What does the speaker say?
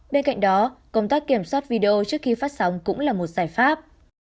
bên cạnh đó công tác kiểm soát video trước khi phát sóng cũng là một giải pháp